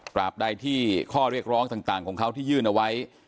บใดที่ข้อเรียกร้องต่างของเขาที่ยื่นเอาไว้